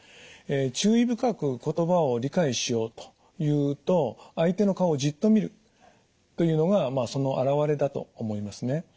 注意深く言葉を理解しようというと相手の顔をじっと見るというのがまあその表れだと思いますね。